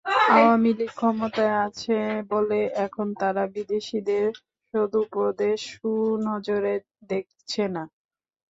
আওয়ামী লীগ ক্ষমতায় আছে বলে এখন তারা বিদেশিদের সদুপদেশ সুনজরে দেখছে না।